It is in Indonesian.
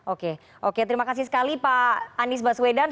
oke oke terima kasih sekali pak anies baswedan